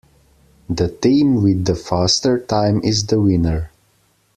The team with the faster time is the winner.